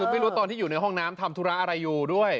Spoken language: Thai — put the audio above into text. คือไม่รู้ตอนที่อยู่ในห้องน้ำทำธุระอะไรอยู่ด้วย